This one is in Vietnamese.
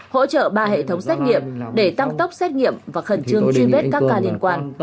hỗ trợ ba hệ thống xét nghiệm để tăng tốc xét nghiệm và khẩn trương truy vết các ca liên quan